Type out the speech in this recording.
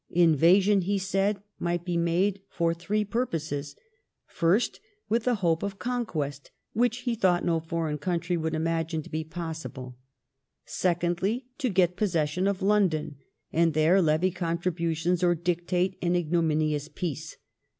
Invasion, he said, might be made for three purposes, first, with the hope of conquest, which he thought no foreign country would imagine to be possible ; secondly, to get possession of London, and there levy contributions or dictate an ignominious peace.